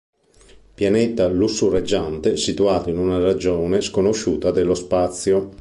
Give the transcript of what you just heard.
Pianeta lussureggiante situato in una regione sconosciuta dello spazio.